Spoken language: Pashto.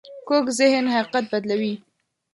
کوږ ذهن حقیقت بدلوي